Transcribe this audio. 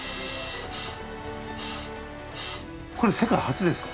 これ世界初ですか？